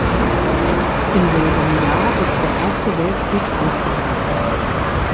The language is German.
Im selben Jahr ist der Erste Weltkrieg ausgebrochen.